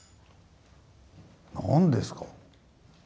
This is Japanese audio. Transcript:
何ですか？